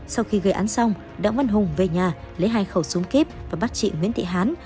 sau khi gây án xong đặng văn hùng về nhà lấy hai khẩu súng kíp và bắt chị nguyễn thị hán